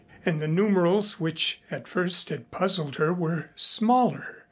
And the numerals which at first had puzzled her were smaller.